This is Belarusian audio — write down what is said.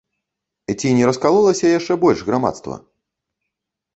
Ці не раскалолася яшчэ больш грамадства?